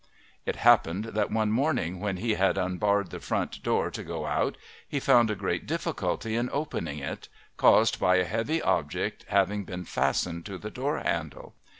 It happened that one morning, when he had unbarred the front door to go out, he found a great difficulty in opening it, caused by a heavy object having been fastened to the door handle.